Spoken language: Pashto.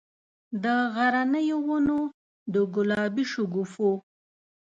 د غرنیو ونو، د ګلابي شګوفو،